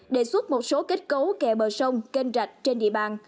đề xuất một số kết cấu kè bờ sông kênh rạch trên địa bàn